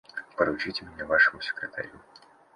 Поручите меня Вашему секретарю.